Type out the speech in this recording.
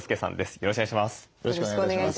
よろしくお願いします。